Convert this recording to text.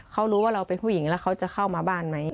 เขารู้ว่าเราเป็นผู้หญิงแล้วเขาจะเข้ามาบ้านไหม